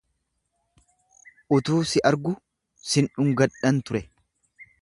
Utuu si argu sin dhungadhan ture.